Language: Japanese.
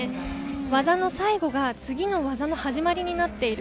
技の最後が次の技の始まりになっている。